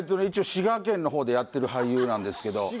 一応滋賀県の方でやってる俳優なんですけど。